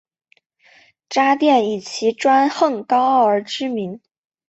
渣甸以其专横高傲而知名。